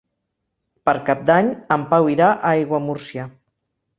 Per Cap d'Any en Pau irà a Aiguamúrcia.